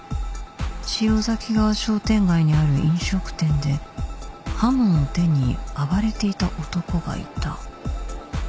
ちよざき川商店街にある飲食店で刃物を手に暴れていた男がいた